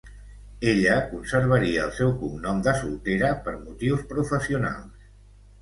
Ella conservaria el seu cognom de soltera per motius professionals.